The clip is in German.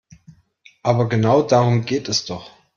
Aber genau darum geht es doch.